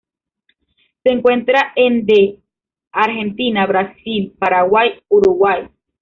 Se encuentra en de Argentina, Brasil, Paraguay, Uruguay.